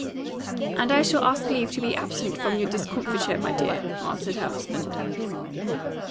"And I shall ask leave to be absent from your discomfiture, my dear," answered her husband.